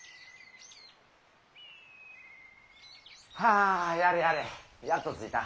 ああやれやれやっと着いた。